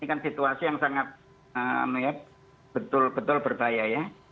ini kan situasi yang sangat betul betul berbahaya ya